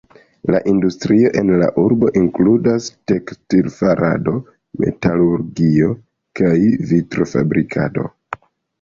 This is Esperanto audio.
Industrio en la urbo inkludas tekstil-farado, metalurgio, kaj vitro-fabrikado.